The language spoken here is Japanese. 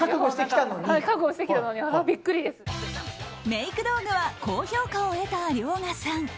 メイク道具は高評価を得た遼河さん。